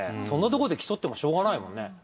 そんなとこで競ってもしようがないもんね。